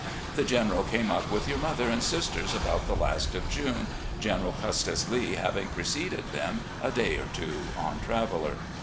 The Gen eral came up with your mother and sisters about the last of June, General Custis Lee having preceded them a day or two on Traveller.